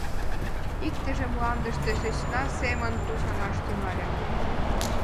Иктыже мландыште сӧсна семын почаҥаш тӱҥале.